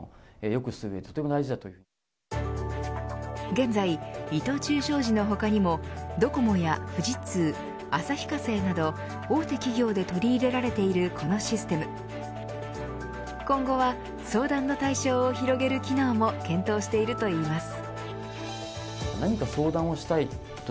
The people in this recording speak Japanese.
現在、伊藤忠商事の他にもドコモや富士通、旭化成など大手企業で取り入れられているこのシステム今後は相談の対象を広げる機能も検討しているといいます。